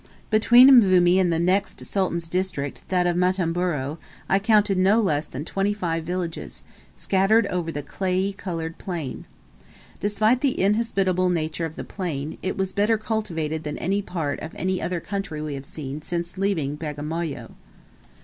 Between Mvumi and the nest Sultan's district, that of Matamburu, I counted no less than twenty five villages, scattered over the clayey, coloured plain. Despite the inhospitable nature of the plain, it was better cultivated than any part of any other country we had seen since leaving Bagamoyo.